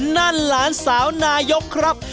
นั่นหลานสาวนายกครับ